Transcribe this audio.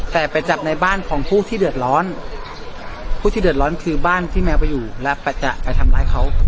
แต่ไปจับในบ้านของผู้ที่เดือดร้อนผู้ที่เดือดร้อนคือบ้านที่แมวไปอยู่และจะไปทำร้ายเขา